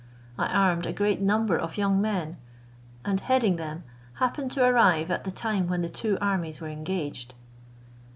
I armed a great number of young men, and heading them, happened to arrive at the time when the two armies were engaged."